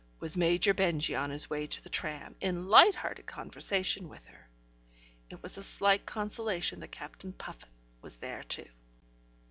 was Major Benjy on his way to the tram, in light hearted conversation with her. It was a slight consolation that Captain Puffin was there too.